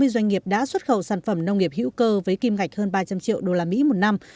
sáu mươi doanh nghiệp đã xuất khẩu sản phẩm nông nghiệp hữu cơ với kim ngạch hơn ba trăm linh triệu usd một năm